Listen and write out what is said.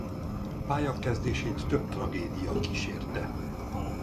Pályakezdését több tragédia kísérte.